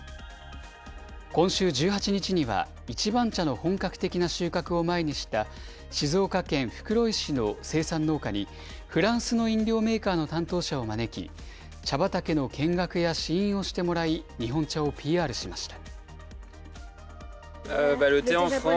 今週１８日には、一番茶の本格的な収穫を前にした、静岡県袋井市の生産農家に、フランスの飲料メーカーの担当者を招き、茶畑の見学や試飲をしてもらい、日本茶をＰＲしました。